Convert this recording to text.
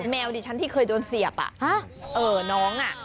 แมวดิฉันที่เคยโดนเสียบน้องอ่ะ